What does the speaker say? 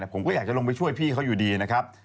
ผมก็อยากจะลงไปช่วยพี่เขาอยู่ดีนะครับ